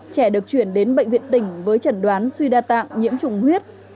trẻ được chuyển đến bệnh viện tỉnh với trần đoán suy đa tạng nhiễm trùng huyết